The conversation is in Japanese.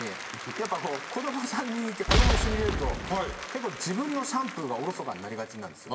やっぱこう子ども３人いて子ども一緒に入れると結構自分のシャンプーがおろそかになりがちなんですよ。